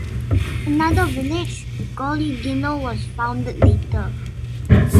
Another village, Golygino was founded later.